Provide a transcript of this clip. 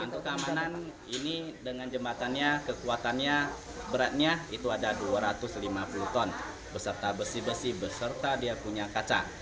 untuk keamanan ini dengan jembatannya kekuatannya beratnya itu ada dua ratus lima puluh ton beserta besi besi beserta dia punya kaca